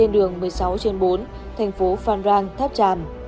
đường một mươi sáu trên bốn thành phố phan rang tháp tràm